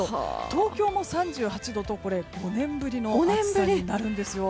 東京も３８度と５年ぶりの暑さになるんです。